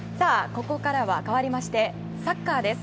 ここからはかわりましてサッカーです。